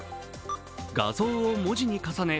画像を文字に重ね